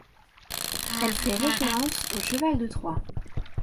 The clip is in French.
Elle fait référence au cheval de Troie.